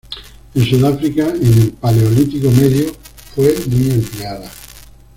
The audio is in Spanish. En Sudáfrica, en el Paleolítico medio, fue muy empleada.